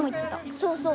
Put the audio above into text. そうそう。